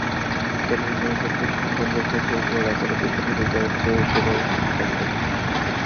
টেন্ডুলকারের প্রতি সম্মান রেখেই বলব, রেকর্ডের দিক দিয়ে টেন্ডুলকারের চেয়েও ওপরে জ্যাক ক্যালিস।